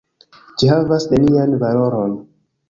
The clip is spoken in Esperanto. Ĝi havas nenian valoron.